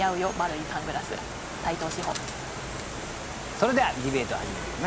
それではディベートを始めていきましょう。